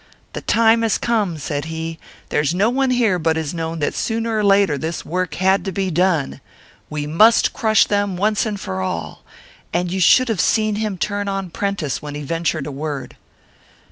'The time has come,' said he. 'There's no one here but has known that sooner or later this work had to be done. We must crush them, once and for all time!' And you should have seen him turn on Prentice, when he ventured a word."